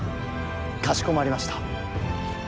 かしこまりました。